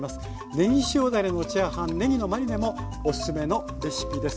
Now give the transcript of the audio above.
ねぎ塩だれのチャーハンねぎのマリネもおすすめのレシピです。